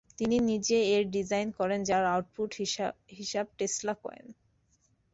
তিনি নিজে এর ডিজাইন করেন যার আউটপুট হিসাব টেসলা কয়েল।